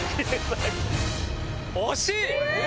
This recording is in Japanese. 惜しい！